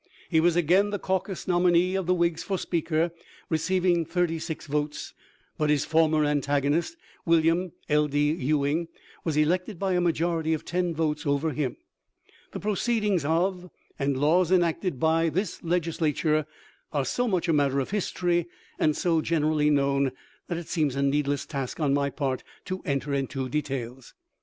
He was again the caucus nominee of the Whigs for Speaker, receiving thirty six votes ; but his former antagonist, William L. D. Ewing, was elected by a majority of ten votes over him. The proceedings of, and laws enacted by, this Legisla ture are so much a matter of history and so gener ally known that it seems a needless task on my part to enter into details.